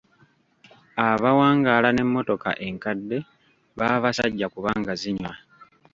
Abawangaala n'emmotoka enkadde baba basajja kubanga zinywa.